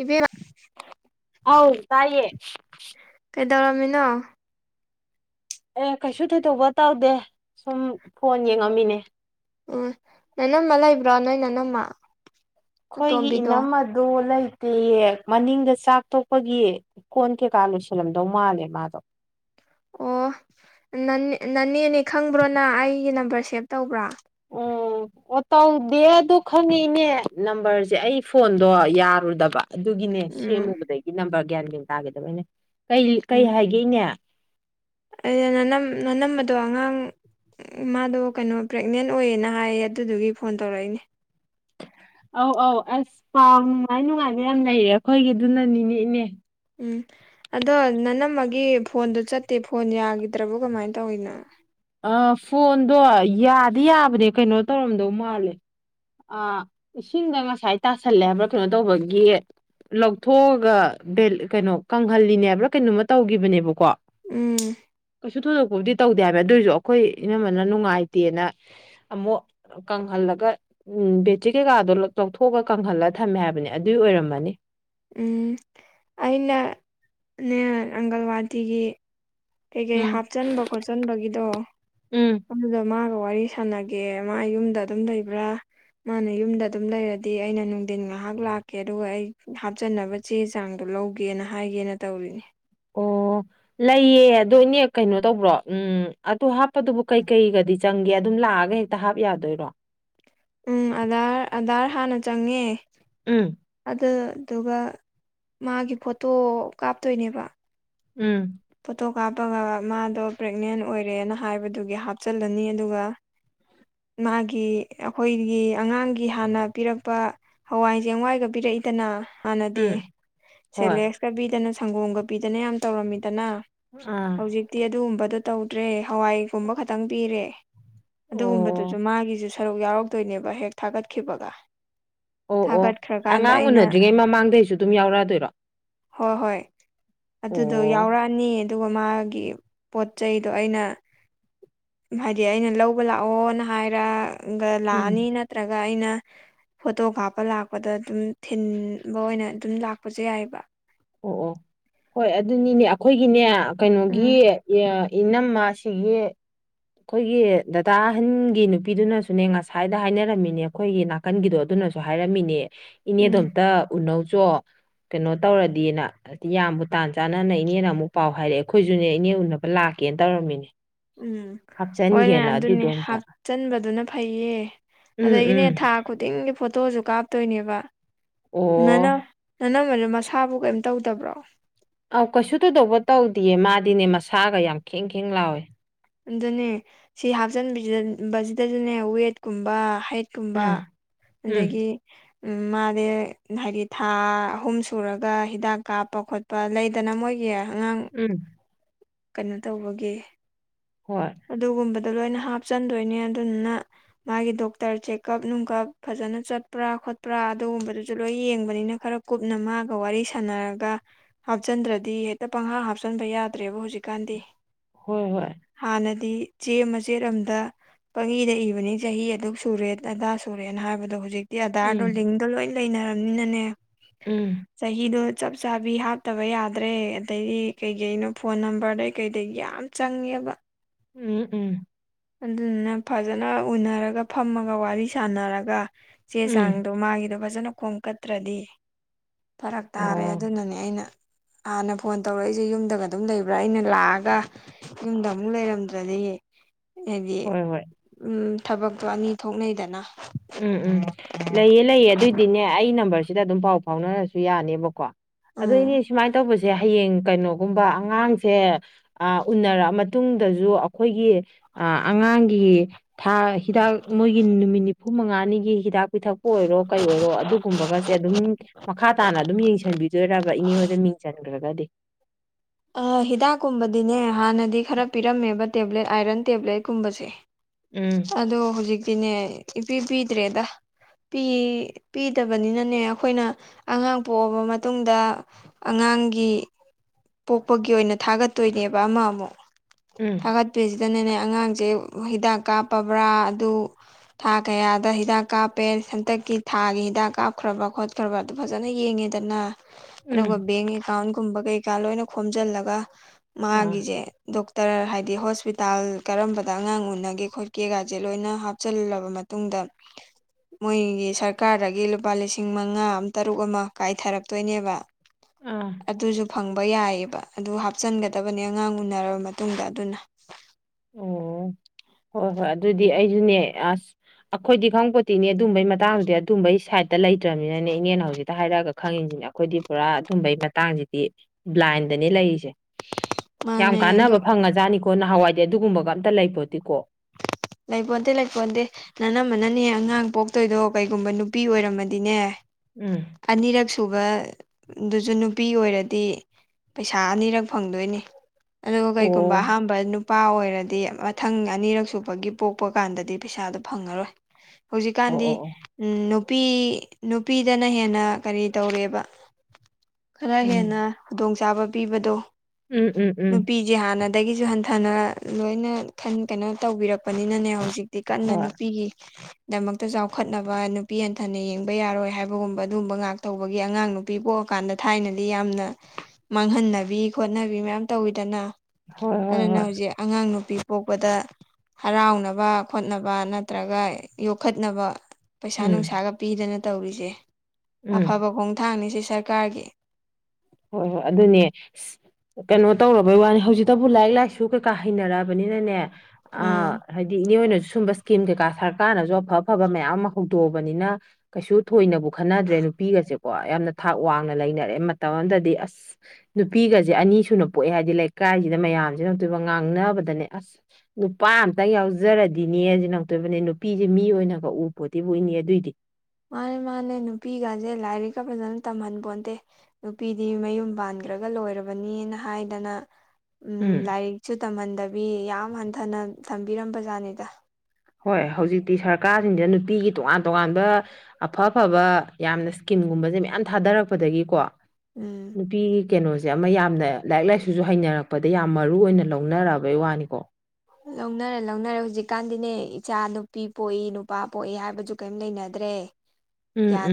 ꯏꯕꯦꯝꯃꯥ ꯑꯥꯎ ꯇꯥꯏꯌꯦ ꯀꯩꯗꯧꯔꯝꯃꯤꯅꯣ ꯑꯦ ꯀꯩꯁꯨ ꯊꯣꯏꯗꯣꯛꯄ ꯇꯧꯗꯦ ꯁꯨꯝ ꯐꯣꯟ ꯌꯦꯡꯉꯝꯃꯤꯅꯦ ꯑꯣ ꯅꯅꯝꯃꯥ ꯂꯩꯕ꯭ꯔꯣ ꯅꯣꯏ ꯅꯅꯝꯃꯥ ꯑꯩꯈꯣꯏꯒꯤ ꯏꯅꯝꯃꯥꯗꯣ ꯂꯩꯇꯤꯌꯦ ꯃꯅꯤꯡꯗ ꯆꯥꯛ ꯇꯣꯛꯄꯒꯤ ꯀꯣꯟ ꯀꯩꯀꯥ ꯂꯣꯏꯁꯜꯂꯝꯗꯧ ꯃꯥꯂꯦ ꯃꯥꯗꯣ ꯑꯣ ꯅꯟꯅꯦ ꯅꯅꯦꯅꯦ ꯈꯪꯕ꯭ꯔꯣ ꯅꯪ ꯑꯩꯒꯤ ꯅꯝꯕꯔ ꯁꯦꯞ ꯇꯧꯕ꯭ꯔꯥ ꯎꯝ ꯑꯣ ꯇꯧꯗꯦ ꯑꯗꯣ ꯈꯪꯉꯦ ꯏꯅꯦ ꯅꯝꯕꯔꯁꯦ ꯑꯩ ꯐꯣꯟꯗꯣ ꯌꯥꯔꯨꯗꯕ ꯑꯗꯨꯒꯤꯅꯦ ꯎꯝ ꯁꯦꯝꯃꯨꯕꯗꯒꯤ ꯅꯝꯕꯔ ꯒ꯭ꯌꯥꯟ ꯃꯦꯟ ꯇꯥꯒꯤꯗꯕꯩꯅꯦ ꯀꯩꯂꯩ ꯀꯩ ꯍꯥꯏꯒꯦ ꯏꯅꯦ ꯑꯩꯅ ꯅꯅꯝ ꯅꯅꯝꯕꯗꯣ ꯑꯉꯥꯡ ꯃꯥꯗꯣ ꯀꯩꯅꯣ ꯄ꯭ꯔꯦꯒꯅꯦꯟ ꯑꯣꯏꯌꯦꯅ ꯍꯥꯏꯌꯦ ꯑꯗꯨꯗꯨꯒꯤ ꯐꯣꯟ ꯇꯧꯔꯛꯏꯅꯦ ꯑꯧ ꯑꯧ ꯑꯁ ꯄꯥꯎ ꯅꯨꯡꯉꯥꯏ ꯅꯨꯡꯉꯥꯏꯕ ꯌꯥꯝ ꯂꯩꯔꯦ ꯑꯩꯈꯣꯏꯒꯤ ꯑꯗꯨꯅꯅꯤꯅꯦ ꯏꯅꯦ ꯎꯝ ꯑꯗꯣ ꯅꯅꯝꯃꯥꯒꯤ ꯐꯣꯟꯗꯣ ꯆꯠꯇꯦ ꯐꯣꯟ ꯌꯥꯒꯤꯗ꯭ꯔꯕꯨ ꯀꯃꯥꯏꯅ ꯇꯧꯋꯤꯅꯣ ꯑ ꯐꯣꯟꯗꯣ ꯌꯥꯗꯤ ꯌꯥꯕꯅꯦ ꯀꯩꯅꯣ ꯇꯧꯔꯝꯗꯧ ꯃꯥꯜꯂꯦ ꯑ ꯏꯁꯤꯡꯗ ꯉꯁꯥꯏ ꯇꯥꯁꯜꯂꯦ ꯍꯥꯏꯕ꯭ꯔꯥ ꯀꯩꯅꯣ ꯇꯧꯕꯒꯤ ꯂꯧꯊꯣꯛꯑꯒ ꯀꯩꯅꯣ ꯀꯪꯍꯜꯂꯤꯅꯦꯕ꯭ꯔꯥ ꯀꯩꯅꯣꯃ ꯇꯧꯒꯤꯕꯅꯦꯕꯀꯣ ꯎꯝ ꯀꯩꯁꯨ ꯊꯣꯏꯗꯣꯛꯄꯕꯨꯗꯤ ꯇꯧꯗꯦ ꯍꯥꯏꯕ ꯑꯗꯨ ꯑꯣꯏꯖꯨ ꯑꯩꯈꯣꯏ ꯏꯅꯝꯃꯅ ꯅꯨꯡꯉꯥꯏꯇꯦꯅ ꯑꯃꯨꯛ ꯀꯪꯍꯜꯂꯒ ꯎꯝ ꯕꯦꯇꯔꯤ ꯀꯩꯀꯥꯗꯣ ꯂꯧꯊꯣꯛꯑꯒ ꯀꯪꯍꯜꯂꯣ ꯊꯝꯃꯦ ꯍꯥꯏꯕꯅꯦ ꯑꯗꯨꯏ ꯑꯣꯏꯔꯝꯃꯅꯤ ꯎꯝ ꯑꯩꯅ ꯅꯦ ꯑꯪꯒꯜꯋꯥꯗꯤꯒꯤ ꯀꯩꯀꯩ ꯎꯝ ꯍꯥꯞꯆꯤꯟꯕ ꯈꯣꯠꯆꯟꯕꯒꯤꯗꯣ ꯑꯗꯨꯗ ꯃꯥꯒ ꯋꯥꯔꯤ ꯁꯥꯟꯅꯒꯦ ꯃꯥ ꯌꯨꯝꯗ ꯑꯗꯨꯝ ꯂꯩꯕ꯭ꯔꯥ ꯃꯥꯅ ꯌꯨꯝꯗ ꯑꯗꯨꯝ ꯂꯩꯔꯗꯤ ꯑꯩꯅ ꯅꯨꯡꯊꯤꯟ ꯉꯥꯏꯍꯥꯛ ꯂꯥꯛꯀꯦ ꯑꯗꯨꯒ ꯑꯩ ꯍꯥꯞꯆꯟꯅꯕ ꯆꯦ ꯆꯥꯡꯗꯣ ꯂꯧꯒꯦꯅ ꯍꯥꯏꯒꯦꯅ ꯇꯧꯔꯤꯅꯦ ꯑꯣ ꯂꯩꯌꯦ ꯑꯗꯣ ꯏꯅꯦ ꯀꯩꯅꯣ ꯇꯧꯕ꯭ꯔꯣ ꯎꯝ ꯑꯗꯨ ꯍꯥꯞꯄꯗꯨꯕꯨ ꯀꯩꯀꯩꯒꯗꯤ ꯆꯪꯒꯦ ꯑꯗꯨꯝ ꯂꯥꯛꯑꯒ ꯇꯥ ꯍꯥꯞ ꯌꯥꯗꯣꯏꯔꯣ ꯎꯝ ꯑꯙꯔ ꯑꯙꯥꯔ ꯍꯥꯟꯅ ꯆꯪꯉꯦ ꯎꯝ ꯑꯗꯨꯗꯨꯒ ꯃꯥꯒꯤ ꯐꯣꯇꯣ ꯀꯥꯞꯇꯣꯏꯅꯦꯕ ꯎꯝ ꯐꯣꯇꯣ ꯀꯥꯞꯄꯒ ꯃꯥꯗꯣ ꯄ꯭ꯔꯦꯒꯅꯦꯟ ꯑꯣꯏꯔꯦꯅ ꯍꯥꯏꯕꯗꯨꯒꯤ ꯍꯥꯞꯆꯤꯜꯂꯅꯤ ꯑꯗꯨꯒ ꯃꯥꯒꯤ ꯑꯩꯈꯣꯏꯒꯤ ꯑꯉꯥꯡꯒꯤ ꯍꯥꯟꯅ ꯄꯤꯔꯛꯄ ꯍꯋꯥꯏ ꯆꯦꯡꯋꯥꯏꯒ ꯄꯤꯔꯛꯏꯗꯅ ꯍꯥꯟꯅꯗꯤ ꯎꯝ ꯍꯣꯏ ꯁꯦꯂꯦꯛꯁꯀꯥ ꯄꯤꯗꯅ ꯁꯪꯒꯣꯝꯒ ꯄꯤꯗꯅ ꯌꯥꯝ ꯇꯧꯔꯝꯃꯤꯗꯅ ꯑꯥ ꯍꯧꯖꯤꯛꯇꯤ ꯑꯗꯨꯒꯨꯝꯕꯗꯣ ꯇꯧꯗ꯭ꯔꯦ ꯍꯋꯥꯏꯒꯨꯝꯕ ꯈꯇꯪ ꯄꯤꯔꯦ ꯑꯣ ꯑꯗꯨꯒꯨꯝꯕꯗꯨꯖꯨ ꯃꯥꯒꯤꯖꯨ ꯁꯔꯨꯛ ꯌꯥꯎꯔꯛꯇꯣꯏꯅꯦꯕ ꯍꯦꯛ ꯊꯥꯒꯠꯈꯤꯕꯒ ꯑꯣ ꯑꯣ ꯊꯥꯒꯠꯈ꯭ꯔꯀꯥꯟꯗ ꯑꯉꯥꯡ ꯑꯩꯅ ꯎꯅꯗ꯭ꯔꯤꯉꯩ ꯃꯃꯥꯡꯗꯩꯖꯨ ꯑꯗꯨꯝ ꯌꯥꯎꯔꯛꯑꯗꯣꯏꯔꯣ ꯍꯣꯏ ꯍꯣꯏ ꯑꯗꯨꯗꯣ ꯌꯥꯎ ꯑꯣ ꯃꯥꯅꯤ ꯑꯗꯨꯒ ꯃꯥꯒꯤ ꯄꯣꯠ ꯆꯩꯗꯣ ꯑꯩꯅ ꯍꯥꯏꯗꯤ ꯑꯩꯅ ꯂꯧꯕ ꯂꯥꯛꯑꯣꯅ ꯍꯥꯏꯔꯒ ꯎꯝ ꯂꯥꯛꯑꯅꯤ ꯅꯠꯇ꯭ꯔꯒ ꯑꯩꯅ ꯐꯣꯇꯣ ꯀꯥꯞꯄ ꯂꯥꯛꯄꯗ ꯑꯗꯨꯝ ꯊꯤꯟꯕ ꯑꯣꯏꯅ ꯑꯗꯨꯝ ꯂꯥꯛꯄꯖꯨ ꯌꯥꯏꯑꯕ ꯑꯣ ꯑꯣ ꯍꯣꯏ ꯑꯗꯨꯅꯤꯅꯦ ꯑꯩꯈꯣꯏꯒꯤꯅꯦ ꯀꯩꯅꯣꯒꯤ ꯎꯝ ꯏꯅꯝꯃꯁꯤꯒꯤ ꯑꯩꯈꯣꯏꯒꯤ ꯗꯇꯥ ꯑꯍꯟꯒꯤ ꯅꯨꯄꯤꯗꯨꯅꯁꯨꯅꯦ ꯉꯁꯥꯏꯗ ꯍꯥꯏꯅꯔꯝꯃꯤꯅꯦ ꯑꯩꯈꯣꯏꯒꯤ ꯅꯥ ꯀꯟꯒꯤꯗꯣ ꯑꯗꯨꯅꯁꯨ ꯍꯥꯏꯔꯝꯃꯤꯅꯦ ꯎꯝ ꯏꯅꯦꯗꯣ ꯑꯝꯇ ꯎꯅꯧꯆꯣ ꯀꯩꯅꯣ ꯇꯧꯔꯗꯤꯅ ꯌꯥꯝꯕꯨ ꯇꯥꯟ ꯆꯥꯟꯅꯅ ꯏꯅꯦꯅ ꯑꯃꯨꯛ ꯄꯥꯎ ꯍꯥꯏꯔꯛꯑꯦ ꯑꯩꯈꯣꯏꯖꯨꯅꯦ ꯏꯅꯦ ꯎꯟꯅꯕ ꯂꯥꯛꯀꯦꯅ ꯇꯧꯔꯝꯃꯤꯅꯦ ꯎꯝ ꯍꯣꯏꯅꯦ ꯍꯥꯞꯆꯟꯒꯦꯅ ꯑꯗꯨꯅꯦ ꯑꯗꯨꯗꯣ ꯑꯝꯇ ꯍꯥꯞꯆꯤꯟꯕꯗꯨꯅ ꯐꯩꯌꯦ ꯎꯝ ꯑꯗꯒꯤꯅꯦ ꯎꯝ ꯊꯥꯛ ꯈꯨꯗꯤꯡꯒꯤ ꯐꯣꯇꯣꯖꯨ ꯀꯥꯞꯇꯣꯏꯅꯦꯕ ꯅꯅ ꯑꯣ ꯅꯥꯅꯝꯃꯥꯗꯣ ꯃꯁꯥꯕꯨ ꯀꯔꯤꯝ ꯇꯧꯗꯕ꯭ꯔꯣ ꯑꯧ ꯀꯩꯁꯨ ꯊꯣꯗꯣꯏꯛꯄ ꯇꯧꯗꯌꯦ ꯃꯥꯗꯤꯅꯦ ꯃꯁꯥꯒ ꯌꯥꯝ ꯈꯦꯡ ꯈꯦꯡ ꯂꯥꯎꯋꯦ ꯑꯗꯨꯅꯦ ꯁꯤ ꯍꯥꯞꯆꯤꯟꯕꯤꯕꯖꯤꯗꯖꯨꯅꯦ ꯋꯦꯠꯀꯨꯝꯕ ꯍꯥꯏꯠ ꯀꯨꯝꯕ ꯎꯝ ꯎꯝ ꯑꯗꯒꯤ ꯃꯥꯗꯤ ꯍꯥꯏꯗꯤ ꯊꯥ ꯑꯍꯨꯝ ꯁꯨꯔꯒ ꯍꯤꯗꯥꯛ ꯀꯥꯞꯄ ꯈꯣꯠꯄ ꯂꯩꯗꯅ ꯃꯣꯏꯒꯤ ꯑꯉꯥꯡ ꯎꯝ ꯀꯩꯅꯣ ꯇꯧꯕꯒꯤ ꯍꯣꯏ ꯑꯗꯨꯒꯨꯝꯕꯗꯣ ꯂꯣꯏꯅ ꯍꯥꯞꯆꯟꯗꯣꯏꯅꯦ ꯑꯗꯨꯗꯨꯅ ꯃꯥꯒꯤ ꯗꯣꯛꯇꯔ ꯆꯦꯛꯀꯞ ꯅꯨꯡꯀꯞ ꯐꯖꯅ ꯆꯠꯄ꯭ꯔꯥ ꯈꯣꯠꯄ꯭ꯔꯥ ꯑꯗꯨꯒꯨꯝꯕꯗꯨꯖꯨ ꯂꯣꯏ ꯌꯦꯡꯕꯅꯤꯅ ꯈꯔ ꯀꯨꯞꯅ ꯃꯥꯒ ꯋꯥꯔꯤ ꯁꯥꯟꯅꯔꯒ ꯍꯥꯞꯆꯤꯟꯗ꯭ꯔꯗꯤ ꯍꯦꯛꯇ ꯄꯪꯍꯥ ꯍꯥꯞꯆꯤꯟꯕ ꯌꯥꯗ꯭ꯔꯦꯕ ꯍꯧꯖꯤꯛꯀꯥꯟꯗꯤ ꯍꯣꯏ ꯍꯣꯏ ꯍꯥꯟꯅꯗꯤ ꯆꯦ ꯃꯆꯦꯠ ꯑꯝꯗ ꯄꯪꯏꯗ ꯏꯕꯅꯤ ꯆꯍꯤ ꯑꯗꯨꯛ ꯁꯨꯔꯦ ꯑꯗꯥ ꯁꯨꯔꯦꯅ ꯍꯥꯏꯕꯗꯣ ꯍꯧꯖꯤꯛ ꯑꯙꯥꯔꯗꯣ ꯎꯝ ꯂꯤꯡꯗꯣ ꯂꯣꯏꯅ ꯂꯩꯅꯔꯕꯅꯤꯅꯅꯦ ꯎꯝ ꯆꯍꯤꯗꯣ ꯆꯞ ꯆꯥꯕꯤ ꯍꯥꯞꯇꯕ ꯌꯥꯗ꯭ꯔꯦ ꯑꯗꯩꯗꯤ ꯀꯩꯀꯩꯅꯣ ꯐꯣꯟ ꯅꯝꯕꯔꯗꯩ ꯀꯩꯗꯩ ꯌꯥꯝ ꯆꯪꯉꯦꯕ ꯎꯝ ꯎꯝ ꯑꯗꯨꯗꯨꯅ ꯐꯖꯅ ꯎꯅꯔꯒ ꯐꯝꯃꯒ ꯋꯥꯔꯤ ꯁꯥꯟꯅꯔꯒ ꯆꯦ ꯎꯝ ꯆꯥꯡꯗꯣ ꯃꯥꯒꯤꯗꯣ ꯐꯖꯅ ꯈꯣꯝꯀꯠꯇ꯭ꯔꯗꯤ ꯐꯔꯛ ꯇꯥꯔꯦ ꯑꯣ ꯑꯗꯨꯅꯅꯦ ꯑꯩꯅ ꯍꯥꯟꯅ ꯐꯣꯟ ꯇꯧꯔꯛꯏꯁꯦ ꯌꯨꯝꯗꯒ ꯑꯗꯨꯝ ꯂꯩꯕ꯭ꯔꯥ ꯑꯩꯅ ꯂꯥꯛꯑꯒ ꯌꯨꯝꯗ ꯑꯃꯨꯛ ꯂꯩꯔꯝꯗ꯭ꯔꯗꯤ ꯍꯥꯏꯗꯤ ꯍꯣꯏ ꯍꯣꯏ ꯎꯝ ꯊꯕꯛꯇꯣ ꯑꯅꯤ ꯊꯣꯛꯅꯩꯗꯅ ꯎꯝ ꯎꯝ ꯂꯩꯑ ꯂꯩꯑ ꯑꯗꯨꯏꯗꯤꯅꯦ ꯑꯩ ꯅꯝꯕꯔꯁꯤꯗ ꯑꯗꯨꯝ ꯄꯥꯎ ꯐꯥꯎꯅꯔꯁꯨ ꯌꯥꯅꯦꯕꯀꯣ ꯑꯗꯨ ꯏꯅꯦ ꯎꯝ ꯁꯨꯃꯥꯏꯅ ꯇꯧꯕꯁꯦ ꯍꯌꯦꯡ ꯀꯩꯅꯣꯒꯨꯝꯕ ꯑꯉꯥꯡꯁꯦ ꯑ ꯎꯅꯔꯛꯑ ꯃꯇꯨꯡꯗꯁꯨ ꯑꯩꯈꯣꯏꯒꯤ ꯑꯥ ꯑꯉꯥꯡꯒꯤ ꯊꯥ ꯍꯤꯗꯥꯛ ꯃꯣꯏꯒꯤ ꯅꯨꯃꯤꯠ ꯅꯤꯐꯨ ꯃꯉꯥꯅꯤꯒꯤ ꯍꯤꯗꯥꯛ ꯄꯨꯏꯊꯛꯄ ꯑꯣꯏꯔꯣ ꯀꯩ ꯑꯣꯏꯔꯣ ꯑꯗꯨꯒꯨꯝꯕꯒꯁꯦ ꯑꯗꯨꯝ ꯃꯈꯥ ꯇꯥꯅ ꯑꯗꯨꯝ ꯌꯦꯡꯁꯤꯟꯕꯤꯗꯣꯏꯔꯕ ꯏꯅꯦ ꯍꯣꯏꯅ ꯃꯤꯡ ꯆꯟꯒ꯭ꯔꯒꯗꯤ ꯑꯥ ꯍꯤꯗꯥꯛꯀꯨꯝꯕꯗꯤꯅꯦ ꯍꯥꯟꯅꯗꯤ ꯈꯔ ꯄꯤꯔꯝꯃꯦꯕ ꯇꯦꯕ꯭ꯂꯦꯠ ꯑꯥꯏꯔꯟ ꯇꯦꯕ꯭ꯂꯦꯠꯀꯨꯝꯕꯁꯦ ꯎꯝ ꯑꯗꯣ ꯍꯧꯖꯤꯛꯇꯤꯅꯦ ꯏꯄꯤ ꯄꯗ꯭ꯔꯦꯗ ꯄꯤ ꯄꯤꯗꯕꯅꯤꯅꯅꯦ ꯑꯩꯈꯣꯏꯅ ꯑꯉꯥꯡ ꯄꯣꯛꯑꯕ ꯃꯇꯨꯡꯗ ꯑꯉꯥꯡꯒꯤ ꯄꯣꯛꯄꯒꯤ ꯑꯣꯏꯅ ꯊꯥꯒꯠꯇꯣꯏꯅꯦꯕ ꯑꯃ ꯑꯃꯨꯛ ꯎꯝ ꯊꯥꯒꯠꯄꯤꯁꯤꯗꯅꯅꯦ ꯑꯉꯥꯡꯁꯦ ꯍꯤꯗꯥꯛ ꯀꯥꯞꯄꯕ꯭ꯔꯥ ꯑꯗꯨ ꯊꯥ ꯀꯌꯥꯗ ꯍꯤꯗꯥꯛ ꯀꯥꯞꯄꯦ ꯍꯟꯇꯛꯀꯤ ꯊꯥꯒꯤ ꯍꯤꯗꯥꯛ ꯀꯥꯞꯈ꯭ꯔꯕ ꯈꯣꯠꯈ꯭ꯔꯕ ꯑꯗꯨ ꯐꯖꯅ ꯌꯦꯡꯉꯦꯗꯅ ꯎꯝ ꯑꯗꯨꯒ ꯕꯦꯡ ꯑꯦꯀꯥꯎꯟꯒꯨꯝꯕ ꯀꯩꯀꯥ ꯂꯣꯏꯅ ꯈꯣꯝꯖꯤꯜꯂꯒ ꯑꯥ ꯃꯥꯒꯤꯁꯦ ꯗꯣꯛꯇꯔ ꯍꯥꯏꯗꯤ ꯍꯣꯁꯄꯤꯇꯥꯜ ꯀꯔꯝꯕꯗ ꯑꯉꯥꯡ ꯎꯅꯒꯦ ꯈꯣꯠꯀꯦꯒꯁꯦ ꯂꯣꯏꯅ ꯍꯥꯞꯆꯜꯂꯕ ꯃꯥ ꯇꯨꯡꯗ ꯃꯣꯏꯒꯤ ꯁꯔꯀꯥꯔꯗꯒꯤ ꯂꯨꯄꯥ ꯂꯤꯁꯤꯡ ꯃꯉꯥ ꯑꯃ ꯇꯔꯨꯛ ꯑꯃ ꯀꯥꯏꯊꯔꯛꯇꯣꯏꯅꯦꯕ ꯑꯥ ꯑꯗꯨꯁꯨ ꯐꯪꯕ ꯌꯥꯏꯌꯦꯕ ꯑꯗꯨ ꯍꯥꯞꯆꯤꯟꯒꯗꯕꯅꯤ ꯑꯉꯥꯡ ꯎꯅꯔꯕ ꯃꯇꯨꯡꯗ ꯑꯗꯨꯅ ꯑꯣ ꯍꯣꯏ ꯍꯣꯏ ꯑꯗꯨꯗꯤ ꯑꯩꯁꯨꯅꯦ ꯑꯁ ꯑꯩꯈꯣꯏꯗꯤ ꯈꯪꯕꯣꯗꯤꯅꯦ ꯑꯗꯨꯝꯕꯒꯤ ꯃꯇꯥꯡꯗꯨꯗꯤ ꯑꯗꯨꯝꯕꯒꯤ ꯁꯥꯏꯗꯠꯇ ꯂꯩꯇ꯭ꯔꯅꯤꯅꯅꯦ ꯏꯅꯦꯅ ꯍꯧꯖꯤꯛꯇ ꯍꯥꯏꯔꯛꯑꯒ ꯈꯪꯉꯤꯁꯤꯅꯦ ꯑꯩꯈꯣꯏꯗꯤ ꯄꯨꯔꯥ ꯑꯗꯨꯨꯝꯕꯩ ꯃꯇꯥꯡꯁꯤꯗꯤ ꯕ꯭ꯂꯥꯏꯟꯗꯅꯤ ꯂꯩꯔꯤꯁꯦ ꯌꯥꯝ ꯃꯥꯅꯦ ꯑꯗꯨ ꯀꯥꯟꯅꯕ ꯐꯪꯉꯖꯥꯠꯅꯤꯀꯣ ꯅꯍꯥꯟꯋꯥꯏꯗꯤ ꯑꯗꯨꯒꯨꯝꯕꯒ ꯑꯝꯇ ꯂꯩꯕꯣꯠꯇꯗꯤꯀꯣ ꯂꯩꯄꯣꯟꯇꯦ ꯂꯩꯄꯣꯟꯗꯦ ꯅꯅꯝꯃꯅꯅꯦ ꯑꯉꯥꯡ ꯄꯣꯛꯇꯣꯏꯗꯣ ꯀꯩꯒꯨꯝꯕ ꯅꯨꯄꯤ ꯑꯣꯏꯔꯝꯃꯗꯤꯅꯦ ꯎꯝ ꯑꯅꯤꯔꯛ ꯁꯨꯕ ꯗꯨꯖꯨ ꯅꯨꯄꯤ ꯑꯣꯏꯔꯗꯤ ꯄꯩꯁꯥ ꯑꯅꯤꯔꯛ ꯐꯪꯗꯣꯏꯅꯦ ꯑꯗꯨꯒ ꯀꯩꯒꯨꯝꯕ ꯑꯣ ꯑꯍꯟꯕ ꯅꯨꯄꯥ ꯑꯣꯏꯔꯗꯤ ꯃꯊꯪ ꯑꯅꯤꯔꯛ ꯁꯨꯕꯒꯤ ꯄꯣꯛꯄ ꯀꯥꯟꯗꯗꯤ ꯄꯩꯁꯥꯗꯣ ꯐꯪꯉꯔꯣꯏ ꯑꯣ ꯍꯧꯖꯤꯛꯀꯥꯟꯗꯤ ꯑꯣ ꯑꯣ ꯅꯨꯄꯤ ꯅꯨꯄꯤꯗ ꯅꯥ ꯍꯦꯟꯅ ꯀꯔꯤ ꯇꯧꯔꯦꯕ ꯈꯔ ꯎꯝ ꯍꯦꯟꯅ ꯈꯨꯗꯣꯡꯆꯥꯥꯕ ꯄꯤꯕꯗꯣ ꯎꯝ ꯎꯝ ꯎꯝ ꯍꯧꯖꯤ ꯍꯥꯟꯅꯗꯒꯤꯁꯨ ꯍꯟꯊꯅ ꯂꯣꯏꯅ ꯀꯩꯅꯣ ꯇꯧꯕꯤꯔꯛꯄꯅꯤꯅꯅꯦ ꯍꯧꯖꯤꯛ ꯀꯟꯅ ꯍꯣꯏ ꯅꯨꯄꯤꯒꯤ ꯗꯃꯛꯇ ꯆꯥꯎꯈꯠꯅꯕ ꯅꯨꯄꯤ ꯍꯟꯊꯅ ꯌꯦꯡꯕ ꯌꯥꯔꯣꯏ ꯍꯥꯏꯕ ꯒꯨꯝꯕ ꯑꯗꯨꯒꯨꯝꯕ ꯉꯥꯛꯇꯧꯕꯒꯤ ꯑꯉꯥꯡ ꯅꯨꯄꯤ ꯄꯣꯛꯑꯀꯥꯟꯗ ꯊꯥꯏꯅꯗꯤ ꯌꯥꯝꯅ ꯃꯥꯡꯍꯟꯅꯕꯤ ꯈꯣꯠꯅꯕꯤ ꯃꯌꯥꯝ ꯇꯧꯋꯤꯗꯅ ꯍꯣꯏ ꯍꯣꯏ ꯑꯗꯨꯅ ꯍꯣꯏ ꯍꯧꯖꯤꯛ ꯑꯉꯥꯡ ꯅꯨꯄꯤ ꯄꯣꯛꯄꯗ ꯍꯔꯥꯎꯅꯕ ꯈꯣꯠꯅꯕ ꯅꯠꯇ꯭ꯔꯒ ꯌꯣꯛꯈꯠꯅꯕ ꯄꯩꯁꯥ ꯎꯝ ꯅꯨꯡꯁꯥꯒ ꯄꯤꯗꯅ ꯇꯧꯔꯤꯁꯦ ꯎꯝ ꯑꯐꯕ ꯈꯣꯡꯊꯥꯡꯅꯤ ꯁꯤ ꯁꯔꯀꯥꯔꯒꯤ ꯍꯣꯏ ꯍꯣꯏ ꯑꯗꯨꯅꯦ ꯀꯩꯅꯣ ꯇꯧꯔꯕꯩ ꯋꯥꯅꯤ ꯍꯧꯖꯤꯛꯇꯕꯨ ꯂꯥꯏꯔꯤꯛ ꯂꯥꯏꯁꯨ ꯀꯩꯀꯥ ꯍꯩꯅꯔꯛꯑꯕꯅꯤꯅꯅꯦ ꯑ ꯎꯝ ꯍꯥꯏꯗꯤ ꯏꯅꯦꯅꯁꯨ ꯁꯨꯝꯕ ꯏꯁꯀꯤꯝ ꯀꯩꯀꯥ ꯁꯔꯀꯥꯔꯅꯁꯨ ꯑꯐ ꯑꯐꯕ ꯃꯌꯥꯝ ꯑꯃ ꯍꯧꯗꯣꯛꯑꯕꯅꯤꯅ ꯀꯩꯁꯨ ꯊꯣꯏꯅꯕꯨ ꯈꯟꯅꯗ꯭ꯔꯦ ꯅꯨꯄꯤꯒꯁꯦꯀꯣ ꯌꯥꯝꯅ ꯊꯥꯛ ꯋꯥꯡꯅ ꯂꯩꯅꯔꯦ ꯃꯇꯝ ꯑꯃꯗꯗꯤ ꯑꯁ ꯅꯨꯄꯤꯒꯁꯦ ꯑꯅꯤ ꯁꯨꯅ ꯄꯣꯛꯑꯦ ꯍꯥꯏꯕꯗꯤ ꯂꯩꯀꯥꯏꯁꯤꯗ ꯃꯌꯥꯝꯁꯤ ꯅꯛꯇꯣꯏꯕ ꯉꯥꯡꯅꯕꯗꯅꯦ ꯑꯁ ꯅꯨꯄꯥ ꯑꯝꯇ ꯌꯥꯎꯖꯔꯗꯤꯅꯦꯖꯤ ꯅꯧꯛꯇꯣꯏꯕꯅꯦ ꯅꯨꯄꯤꯁꯦ ꯃꯤ ꯑꯣꯏꯅꯒ ꯎ ꯄꯣꯠꯇꯤꯕꯨꯏꯅꯤ ꯑꯗꯨꯏꯗꯤ꯫ ꯃꯥꯅꯦ ꯃꯥꯅꯦ ꯅꯨꯄꯤꯒꯁꯦ ꯂꯥꯏꯔꯤꯛꯀ ꯐꯖꯅ ꯇꯝꯍꯟꯄꫭꯟꯇꯦ ꯅꯨꯄꯤꯗꯤ ꯃꯌꯨꯝ ꯄꯥꯟꯈ꯭ꯔꯒ ꯂꯣꯏꯔꯕꯅꯤꯅ ꯍꯥꯏꯗꯅ꯫ ꯎꯝ ꯂꯥꯏꯔꯤꯛꯁꯨ ꯇꯝꯍꯟꯗꯕꯤ ꯌꯥꯝ ꯍꯟꯊꯅ ꯊꯝꯕꯤꯔꯝꯕꯖꯥꯠꯅꯤꯗ ꯍꯣꯏ ꯍꯧꯖꯤꯛꯇꯤ ꯁꯔꯀꯥꯔꯁꯤꯡꯁꯤ ꯅꯨꯄꯤꯒꯤ ꯇꯣꯉꯥꯟ ꯇꯣꯉꯥꯟꯕ ꯑꯐ ꯑꯐꯕ ꯌꯥꯝꯅ ꯏꯁꯀꯤꯝꯒꯨꯝꯕꯁꯦ ꯃꯌꯥꯝ ꯊꯥꯗꯔꯛꯄꯗꯒꯤꯀꯣ ꯎꯝ ꯅꯨꯄꯤꯒꯤ ꯀꯩꯅꯣꯁꯦ ꯑꯃ ꯌꯥꯝꯅ ꯂꯥꯏꯔꯤꯛ ꯂꯥꯏꯁꯨ ꯍꯩꯅꯔꯛꯄꯗ ꯌꯥꯝ ꯃꯔꯨꯏ ꯑꯣꯏꯅ ꯂꯧꯅꯔꯛꯑꯕꯩ ꯋꯥꯅꯤꯀꯣ꯫ ꯂꯧꯅꯔꯦ ꯂꯧꯅꯔꯦ ꯍꯧꯖꯤꯛꯀꯥꯟꯗꯤꯅꯦ ꯏꯆꯥ ꯅꯨꯄꯤ ꯄꯣꯛꯏ ꯅꯨꯄꯥ ꯄꯣꯛꯏ ꯍꯥꯏꯕꯁꯨ ꯀꯩꯝ ꯂꯩꯅꯗ꯭ꯔꯦ꯫ [inaudible]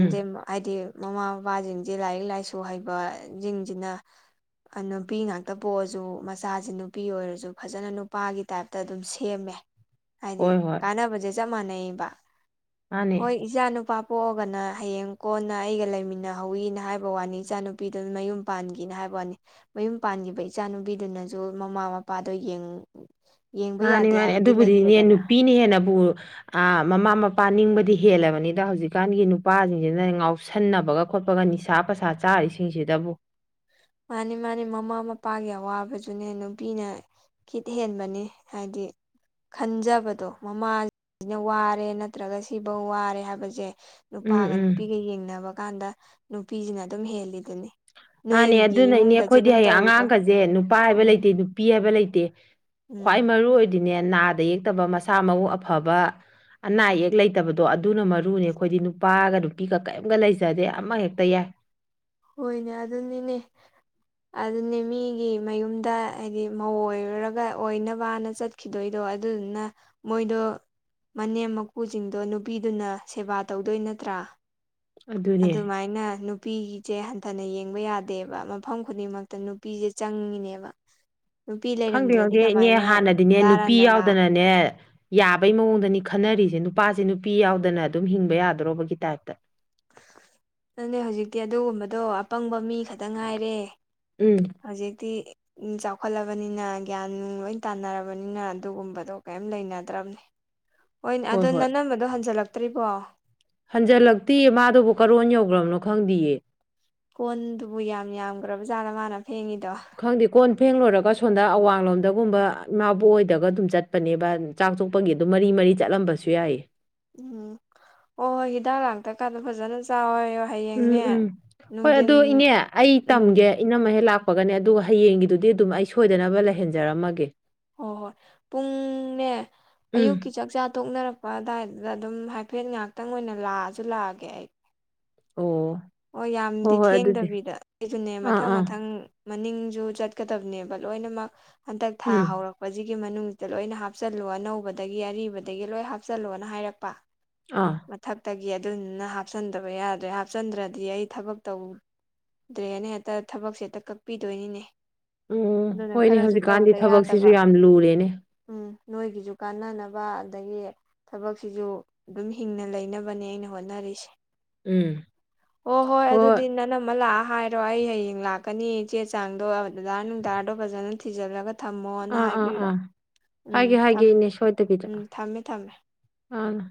ꯎꯝ ꯍꯥꯏꯗꯤ ꯃꯃꯥ ꯃꯄꯥꯁꯤꯡꯁꯦ ꯂꯥꯏꯔꯤꯛ ꯂꯥꯏꯁꯨ ꯍꯩꯕꯁꯤꯡꯁꯤꯅ ꯅꯨꯄꯤ ꯉꯥꯛꯇ ꯄꯣꯛꯑꯁꯨ ꯃꯆꯥꯁꯤꯦ ꯅꯨꯄꯤ ꯑꯣꯏꯔꯁꯨ ꯐꯖꯅ ꯅꯨꯄꯥꯒꯤ ꯇꯥꯏꯞꯇ ꯑꯗꯨꯝ ꯁꯦꯝꯃꯦ ꯍꯥꯏꯗꯤ ꯍꯣꯏ ꯍꯣꯏ ꯀꯥꯟꯅꯕꯁꯦ ꯆꯞ ꯃꯥꯟꯅꯩꯌꯦꯕ ꯃꯥꯅꯦ ꯏꯆꯥ ꯅꯨꯄꯥ ꯄꯣꯛꯑꯒꯅ ꯍꯌꯦꯡ ꯀꯣꯟꯅ ꯑꯩꯒ ꯂꯩꯃꯤꯟꯅꯍꯧꯋꯤꯅ ꯍꯥꯏꯕ ꯋꯥꯅꯤ ꯏꯆꯥ ꯅꯨꯨ ꯅꯨꯄꯤꯗꯨꯅ ꯃꯌꯨꯝ ꯄꯥꯟꯈꯤꯅ ꯍꯥꯏꯕ ꯋꯥꯅꯤ ꯃꯌꯨꯝ ꯄꯥꯟꯈꯤꯕ ꯏꯆꯥꯅꯨꯄꯤꯗꯨꯅꯁꯨ ꯃꯃꯥ ꯃꯄꯥꯗꯣ ꯌꯦꯡ ꯃꯥꯅꯤ ꯃꯥꯅꯤ ꯑꯗꯨꯕꯨꯗꯤꯅꯦ ꯅꯨꯄꯤꯅ ꯍꯦꯟꯅꯕꯨ ꯃꯃꯥ ꯃꯄꯥ ꯅꯤꯡꯕꯗꯤ ꯍꯦꯜꯂꯕꯅꯤꯗ ꯍꯧꯖꯤꯛꯀꯥꯟꯒꯤ ꯅꯨꯄꯥꯁꯤꯡꯁꯤꯅ ꯉꯥꯎꯁꯟꯅꯕꯒ ꯈꯣꯠꯄꯒ ꯅꯤꯁꯥꯞ ꯄꯩꯁꯥ ꯆꯥꯔꯤꯁꯤꯡꯁꯤꯗꯕꯨ꯫ ꯃꯥꯅꯤ ꯃꯥꯅꯤ ꯃꯃꯥ ꯃꯄꯥꯒꯤ ꯑꯋꯥꯕꯗꯨꯅꯦ ꯅꯨꯄꯤꯅ ꯀꯤꯠ ꯍꯦꯟꯕꯅꯤ ꯍꯥꯏꯗꯤ ꯈꯟꯖꯕꯗꯣ ꯃꯃꯥꯁꯤꯅ ꯋꯥꯔꯦ ꯅꯠꯇ꯭ꯔꯒ ꯁꯤꯐꯧ ꯋꯥꯔꯦ ꯍꯥꯏꯕꯁꯦ ꯎꯝ ꯅꯨꯄꯥꯒ ꯎꯝ ꯅꯨꯄꯤꯒ ꯌꯦꯡꯅꯕ ꯀꯥꯟꯗ ꯅꯨꯄꯤꯁꯤꯅ ꯑꯗꯨꯝ ꯍꯦꯜꯂꯤꯗꯨꯅꯤ ꯅꯣꯏ ꯑꯗꯨꯅꯩꯅꯦ ꯑꯩꯈꯣꯏꯗꯤ ꯍꯌꯦꯡ ꯑꯉꯥꯡꯒꯁꯦ ꯅꯨꯄꯥ ꯍꯥꯏꯕ ꯎꯝ ꯂꯩꯇꯦ ꯅꯨꯄꯤ ꯍꯥꯏꯕ ꯂꯩꯇꯦ ꯈ꯭ꯋꯥꯏ ꯎꯝ ꯃꯔꯨ ꯑꯣꯏ ꯑꯗꯨꯅꯦ ꯅꯥꯗ ꯌꯦꯛꯇꯕ ꯃꯁꯥ ꯃꯎ ꯑꯐꯕ ꯑꯅꯥ ꯑꯌꯦꯛ ꯂꯩꯇꯕꯗꯣ ꯑꯗꯨꯅ ꯃꯔꯨꯅꯦ ꯑꯩꯈꯣꯏꯗꯤ ꯅꯨꯄꯥꯒ ꯅꯨꯄꯤꯒ ꯀꯔꯤꯝꯒ ꯂꯩꯖꯗꯦ ꯑꯃꯍꯦꯛꯇ ꯌꯥꯏ ꯍꯣꯏꯅꯦ ꯑꯗꯨꯅꯤꯅꯦ ꯑꯗꯨꯅꯤ ꯃꯤꯒꯤ ꯃꯌꯨꯝꯗ ꯍꯥꯏꯗꯤ ꯃꯧꯑꫭꯏꯔꯒ ꯑꯣꯏꯅꯕꯅ ꯆꯠ ꯈꯤꯗꯣꯏꯗꯣ ꯑꯗꯨꯗꯨꯅ ꯃꯣꯏꯗꯣ ꯃꯅꯦꯝ ꯃꯀꯨꯁꯤꯡꯗꯣ ꯅꯨꯄꯤꯗꯨꯅ ꯁꯦꯕꯥ ꯇꯧꯗꯣꯏ ꯅꯠꯇ꯭ꯔꯥ ꯑꯗꯨꯅꯦ ꯑꯗꯨꯃꯥꯏꯅ ꯅꯨ ꯅꯨꯄꯤꯒꯤꯁꯦ ꯍꯟꯊꯅ ꯌꯦꯡꯕ ꯌꯥꯗꯦꯕ ꯃꯐꯝ ꯈꯨꯗꯤꯡꯃꯛꯇ ꯅꯨꯄꯤꯁꯦ ꯆꯪꯉꯤꯅꯦꯕ ꯅꯨꯄꯤ ꯈꯪꯗꯦ ꯂꯩꯔꯝꯗ꯭ꯔꯗꯤ ꯈꯪꯗꯦ ꯏꯅꯦ ꯀꯃꯥꯏꯅ ꯍꯥꯟꯅꯗꯤꯅꯦ ꯗꯥꯔꯥ ꯅꯨꯄꯤ ꯅꯂꯥ ꯌꯥꯎꯗꯅꯅꯦ ꯌꯥꯕꯩ ꯃꯑꯣꯡꯗꯅꯦ꯫ ꯈꯟꯅꯔꯤꯁꯦ ꯅꯨꯄꯥꯁꯦ ꯅꯨꯄꯤ ꯌꯥꯎꯗꯅ ꯑꯗꯨꯝ ꯍꯤꯡꯕ ꯌꯥꯗ꯭ꯔꯣꯕꯒꯤ ꯇꯥꯏꯞꯇ ꯅꯅꯦ ꯍꯧꯖꯤꯛꯇꯤ ꯑꯗꯨꯒꯨꯝꯕꯗꯣ ꯑꯄꯪꯕ ꯃꯤ ꯈꯛꯇ ꯉꯥꯏꯔꯦ ꯎꯝ ꯍꯧꯖꯤꯛꯇꯤ꯫ ꯆꯥꯎꯈꯠꯂꯕꯅꯤꯅ ꯒ꯭ꯌꯥꯟ ꯂꯣꯏ ꯇꯥꯅꯔꯕꯅꯤꯅ ꯑꯗꯨꯒꯨꯝꯕꯗꯣ ꯀꯔꯤꯝ ꯂꯩꯅꯗ꯭ꯔꯕꯅꯤ ꯍꯣꯏꯅꯦ ꯑꯗꯣ ꯍꯣꯏ ꯍꯣꯏ ꯅꯅꯝꯕꯗꯣ ꯍꯟꯖꯤꯜꯂꯛꯇ꯭ꯔꯤꯕꯣ꯫ ꯍꯟꯖꯜꯂꯛꯇꯤꯌꯦ ꯃꯥꯗꯨꯕꯨ ꯀꯔꯣꯟ ꯌꯧꯈ꯭ꯔꯕꯅꯣ ꯈꯪꯗꯌꯦ ꯀꯣꯟꯗꯨꯕꯨ ꯌꯥꯝ ꯌꯥꯝꯈ꯭ꯔꯕ ꯖꯥꯠꯗ ꯃꯥꯅ ꯐꯦꯡꯉꯤꯗꯣ꯫ ꯈꯪꯗꯦ ꯀꯣꯟ ꯐꯦꯡꯂꯣꯏꯨꯔꯒ ꯁꯣꯝꯗ ꯑꯋꯥꯡꯂꯣꯝꯗꯒꯨꯝꯕ ꯏꯃꯥꯕꯨ ꯑꯣꯏꯗꯒ ꯑꯗꯨꯝ ꯆꯠꯄꯅꯦꯕ꯫ ꯆꯥꯛ ꯆꯣꯛꯄꯒꯤ ꯑꯗꯨ ꯃꯔꯤ ꯃꯔꯤ ꯆꯠꯂꯝꯕꯁꯨ ꯌꯥꯏꯌꯦ ꯎꯝ ꯍ ꯍꯣꯏ ꯍꯤꯗꯥꯛ ꯂꯥꯡꯇ ꯀꯥꯟꯗ ꯐꯖꯅ ꯆꯥꯎꯋ ꯍꯥꯏꯣ ꯎꯝ ꯍꯌꯦꯡꯅꯦ ꯎꯝ ꯍꯣꯏ ꯅꯨꯡꯊꯤꯟ ꯑꯗꯣ ꯏꯅꯦ ꯑꯩ ꯎꯝ ꯇꯝꯒꯦ ꯏꯅꯝꯃ ꯍꯦꯛ ꯂꯥꯛꯄꯒꯅꯦ ꯑꯗꯨꯒ ꯍꯌꯦꯡꯒꯤꯗꯨꯗꯤ ꯑꯗꯨꯝ ꯑꯩ ꯁꯣꯏꯗꯅꯕ ꯂꯩꯍꯟꯖꯔꯝꯃꯒꯦ ꯍ ꯍꯣꯏ ꯄꯨꯡꯅꯦ ꯎꯝ ꯑꯌꯨꯛꯀꯤ ꯆꯥꯛꯆꯥ ꯊꯣꯛꯅꯔꯛ__ ꯂꯄ ꯑꯗꯨꯋꯥꯏꯗꯨꯗ ꯑꯗꯨꯝ ꯍꯥꯏꯐꯦꯠ ꯉꯍꯥꯛꯇꯪ ꯑꯣꯏꯅ ꯂꯥꯛꯑꯁꯨ ꯂꯥꯛꯑꯒꯦ ꯑꯩ ꯑꯣ ꯍꯣꯏ ꯌꯥꯝꯗꯤ ꯍꯣꯏ ꯑꯗꯨꯗꯤ ꯊꯦꯡꯗꯕꯤꯗ ꯑꯗꯨꯗꯨꯅꯦ ꯑꯥ ꯃꯊꯪ ꯑꯥ ꯃꯊꯪ ꯃꯅꯤꯡꯁꯨ ꯆꯠꯀꯗꯕꯅꯦꯕ ꯂꯣꯏꯅꯃꯛ ꯍꯟꯗꯛ ꯊꯥ ꯎꯝ ꯍꯧꯔꯛꯄ ꯍꯧꯖꯤꯛꯀꯤ ꯃꯅꯨꯡꯁꯤꯗ ꯂꯣꯏꯅ ꯍꯥꯞꯆꯜꯂꯨ ꯑꯅꯧꯕꯗꯒꯤ ꯑꯔꯤꯕꯗꯒꯤ ꯂꯣꯏ ꯍꯥꯞꯆꯜꯂꯣꯅ ꯍꯥꯏꯔꯛꯄ ꯑꯥ꯫ ꯃꯊꯛꯇꯒꯤ ꯑꯗꯨꯗꯨꯅ ꯍꯥꯞꯆꯟꯗꯕ ꯌꯥꯗ꯭ꯔꯦ ꯍꯥꯞꯆꯟꯗ꯭ꯔꯗꯤ ꯑꯗꯨꯗꯤ ꯑꯩ ꯊꯕꯛ ꯇꯧꯗ꯭ꯔꯦꯅ ꯍꯦꯛꯇ ꯊꯕꯛꯁꯦ ꯍꯦꯛꯇ ꯀꯛꯄꯤꯗꯣꯏꯅꯤꯅꯦ ꯎꯝ ꯑꯗꯨꯅ ꯍꯣꯏꯅꯦ ꯈꯔꯁꯨ ꯍꯧꯖꯤꯛꯀꯥꯟꯗꯤ ꯇꯧꯗ ꯌꯥꯗꯕ ꯊꯕꯛꯁꯤꯁꯨ ꯌꯥꯝ ꯂꯨꯔꯦꯅꯦ꯫ ꯎꯝ ꯅꯣꯏꯒꯤꯁꯨ ꯀꯥꯟꯅꯅꯕ ꯑꯗꯒꯤ ꯊꯕꯛꯁꯤꯁꯨ ꯑꯗꯨꯝ ꯍꯤꯡꯅ ꯂꯩꯅꯕꯅꯦ ꯑꯩꯅ ꯍꯣꯠꯅꯔꯤꯁꯦ ꯎꯝ ꯑꯣ ꯍꯣꯏ ꯑꯗꯨꯗꯤ ꯅꯅꯝꯃ ꯂꯥꯛꯄꯒ ꯍꯥꯏꯔꯣ ꯑꯩ ꯍꯌꯦꯡ ꯂꯥꯛꯀꯅꯤ ꯆꯦ ꯆꯥꯡꯗꯣ ꯑꯗꯨꯗꯥ ꯅꯨꯡꯗꯥꯔꯗꯣ ꯐꯖꯅ ꯊꯤꯖꯤꯜꯂꯒ ꯊꯝꯃꯣꯅ ꯑꯥ ꯑꯥ ꯍꯥꯏꯕꯤꯔꯣ ꯑꯥ ꯎꯝ ꯍꯥꯏꯒꯦ ꯊꯝ ꯍꯥꯏꯒꯦ ꯏꯅꯦ ꯎꯝ ꯊꯝꯃꯦ ꯊꯝꯃꯦ ꯑ